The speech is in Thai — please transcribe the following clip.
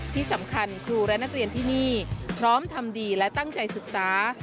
ที่สำคัญครูและนักเรียนที่นี่พร้อมทำดีและตั้งใจศึกษา